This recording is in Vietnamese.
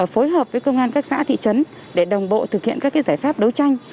phối hợp với công an các xã thị trấn để đồng bộ thực hiện các giải pháp đấu tranh